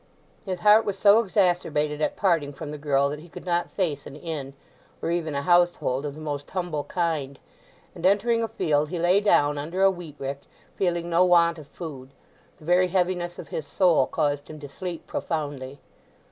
His heart was so exacerbated at parting from the girl that he could not face an inn, or even a household of the most humble kind; and entering a field he lay down under a wheatrick, feeling no want of food. The very heaviness of his soul caused him to sleep profoundly.